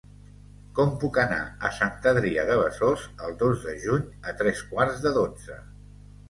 Com puc anar a Sant Adrià de Besòs el dos de juny a tres quarts de dotze?